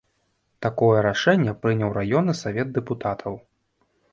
Такое рашэнне прыняў раённы савет дэпутатаў.